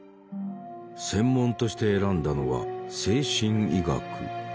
専門として選んだのは精神医学。